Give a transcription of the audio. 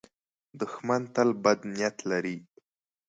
دښمن تل بد نیت لري